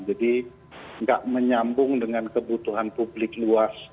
jadi nggak menyambung dengan kebutuhan publik luas